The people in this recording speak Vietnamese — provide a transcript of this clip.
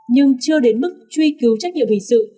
nhưng chưa đến mức truy cứu trách nhiệm hình sự